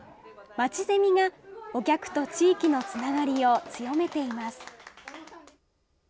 まちゼミがお客と地域のつながりを強めています。